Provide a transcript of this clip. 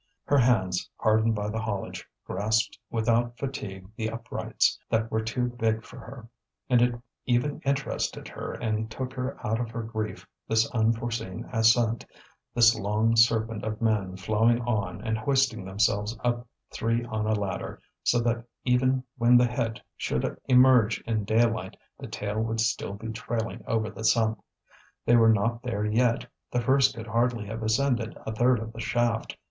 Her hands, hardened by the haulage, grasped without fatigue the uprights that were too big for her. And it even interested her and took her out of her grief, this unforeseen ascent, this long serpent of men flowing on and hoisting themselves up three on a ladder, so that even when the head should emerge in daylight the tail would still be trailing over the sump. They were not there yet, the first could hardly have ascended a third of the shaft.